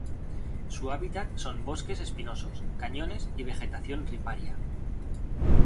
Su hábitat son bosques espinosos, cañones, y vegetación riparia.